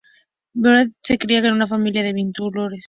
Baudelaire se cría en una familia de viticultores.